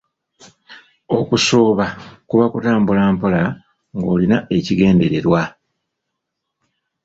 Okusooba kuba kutambula mpola ng'olina ekigendererwa.